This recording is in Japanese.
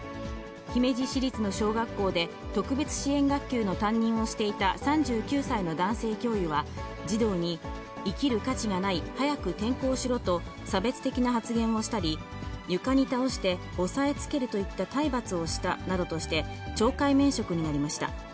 姫路市立の小学校で、特別支援学級の担任をしていた３９歳の男性教諭は、児童に生きる価値がない、早く転校しろと、差別的な発言をしたり、床に倒して押さえつけるといった体罰をしたなどとして、懲戒免職になりました。